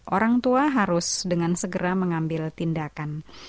orang tua harus dengan segera mengambil tindakan